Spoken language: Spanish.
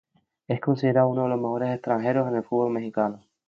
Es considerado uno de los mejores extranjeros en el fútbol mexicano.